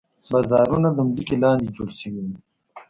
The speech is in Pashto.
بازارونه د ځمکې لاندې جوړ شوي وو.